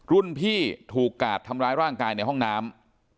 รุ่นพี่ถูกกาดทำร้ายร่างกายในห้องน้ำ